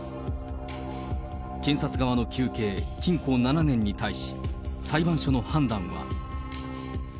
検察側の求刑、禁錮７年に対し、裁判所の判断は。